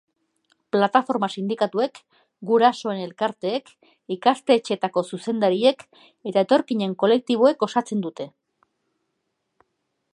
Plataforma sindikatuek, gurasoen elkarteek, ikastetxeetako zuzendariek eta etorkinen kolektiboek osatzen dute.